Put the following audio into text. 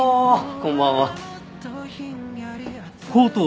こんばんは。